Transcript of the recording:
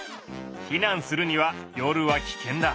避難するには夜は危険だ。